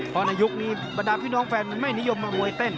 พอในยุคนี้บรรดาพี่น้องแฟนมันไม่นิยมมามวยเต้น